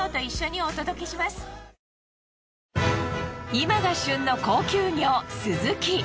今が旬の高級魚スズキ。